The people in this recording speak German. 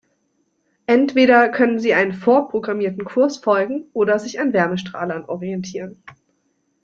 Entweder können sie einem vorprogrammierten Kurs folgen oder sich an Wärmestrahlern orientieren.